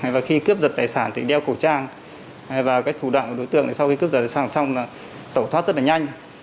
và khi cướp giật tài sản thì đeo cổ trang và thủ đoạn của đối tượng sau khi cướp giật tài sản xong là tẩu thoát rất là nhanh